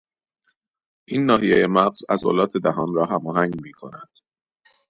این ناحیهی مغز عضلات دهان را هماهنگ میکند.